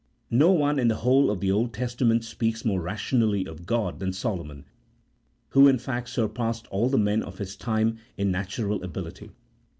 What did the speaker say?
No one in the whole of the Old Testa ment speaks more rationally of God than Solomon, who in fact surpassed all the men of his time in natural ability.